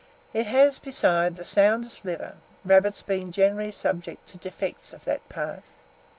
It has, besides, the soundest liver, rabbits generally being subject to defects of that part.